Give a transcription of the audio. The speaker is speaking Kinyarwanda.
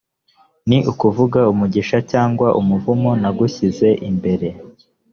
ni ukuvuga umugisha cyangwa umuvumo nagushyize imbere,